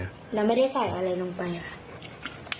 แล้วไม่ได้ใส่อะไรลงไปค่ะ